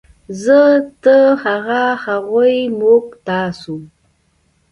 زۀ ، تۀ ، هغه ، هغوی ، موږ ، تاسو